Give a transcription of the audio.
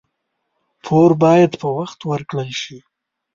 پور باید په وخت ورکړل شي.